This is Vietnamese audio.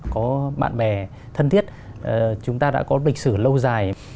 có bạn bè thân thiết chúng ta đã có lịch sử lâu dài